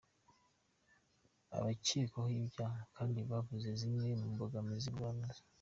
Abacyekwaho ibyaha kandi bavuze zimwe mu mbogamizi bahura nazo:.